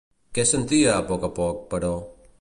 Què sentia a poc a poc, però?